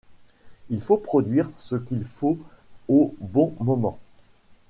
Il faut produire ce qu'il faut au bon moment.